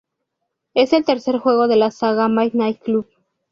Es el tercer juego de la saga Midnight Club.